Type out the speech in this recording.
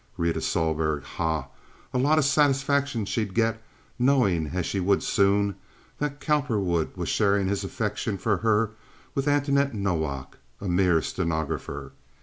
Rita Sohlberg! Ha! A lot of satisfaction she'd get knowing as she would soon, that Cowperwood was sharing his affection for her with Antoinette Nowak—a mere stenographer.